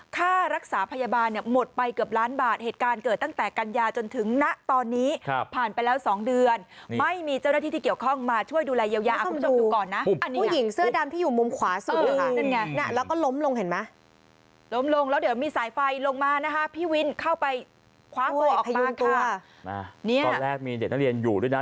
ตอนแรกมีเด็กตั้งเรียนอยู่ด้วยนะ